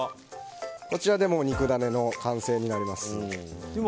こちらで肉ダネの完成になります。